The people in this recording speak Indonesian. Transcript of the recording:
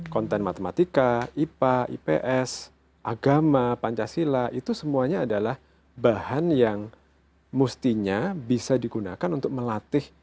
konten matematika ipa ips agama pancasila itu semuanya adalah bahan yang mestinya bisa digunakan untuk melatih